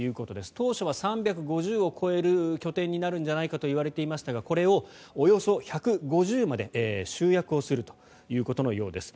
当初は３５０を超える拠点になるんじゃないかといわれていましたがこれをおよそ１５０まで集約するということのようです。